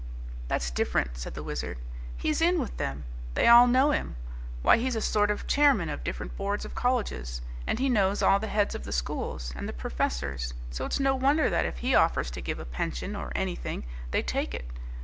"That's different," said the Wizard. "He's in with them. They all know him. Why, he's a sort of chairman of different boards of colleges, and he knows all the heads of the schools, and the professors, so it's no wonder that if he offers to give a pension, or anything, they take it.